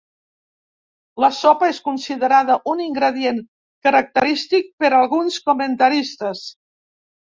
La sopa és considerada un ingredient característic per alguns comentaristes.